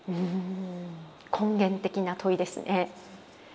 根源的な問いですね。